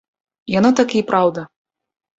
Яно такі і праўда.